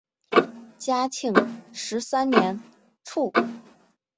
嘉庆十三年卒。